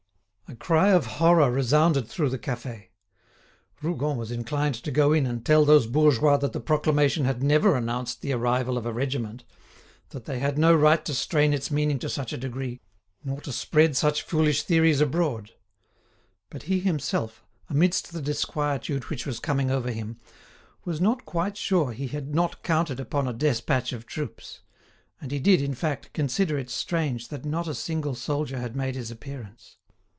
A cry of horror resounded through the cafe. Rougon was inclined to go in and tell those bourgeois that the proclamation had never announced the arrival of a regiment, that they had no right to strain its meaning to such a degree, nor to spread such foolish theories abroad. But he himself, amidst the disquietude which was coming over him, was not quite sure he had not counted upon a despatch of troops; and he did, in fact, consider it strange that not a single soldier had made his appearance.